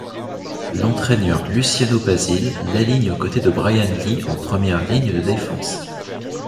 L'entraîneur Luciano Basile l'aligne aux côtés de Brian Lee en première ligne de défense.